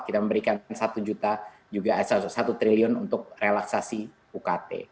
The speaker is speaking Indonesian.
kita memberikan satu triliun untuk relaksasi ukt